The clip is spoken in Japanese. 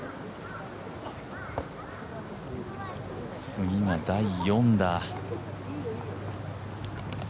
次が第４打。